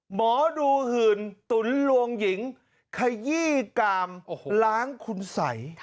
หมอดูหื่นตุ๋นลวงหญิงขยี้กามล้างคุณสัย